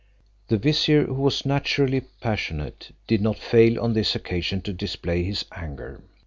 The vizier who was naturally passionate, did not fail on this occasion to display his anger.